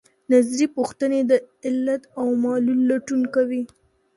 نظري پوښتنې د علت او معلول لټون کوي.